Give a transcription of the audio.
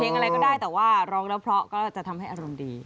อะไรก็ได้แต่ว่าร้องแล้วเพราะก็จะทำให้อารมณ์ดี